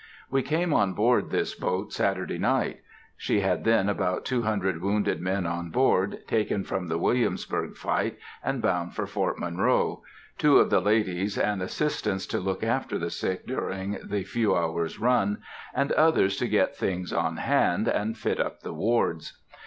We came on board this boat Saturday night. She had then about two hundred wounded men on board, taken from the Williamsburg fight, and bound for Fort Monroe, two of the ladies and assistants to look after the sick during the few hours' run, and others to get things on hand, and fit up the wards.